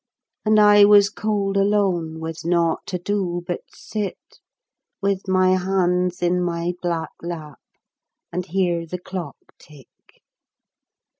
And I was cold alone, with nought to do but sit With my hands in my black lap, and hear the clock tick.